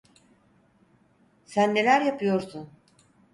Sen neler yapıyorsun?